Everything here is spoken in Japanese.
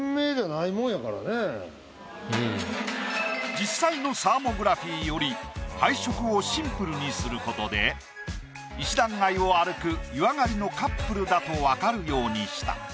実際のサーモグラフィーより配色をシンプルにすることで石段街を歩く湯上がりのカップルだと分かるようにした。